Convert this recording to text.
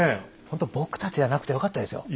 ほんと僕たちじゃなくてよかったですよ。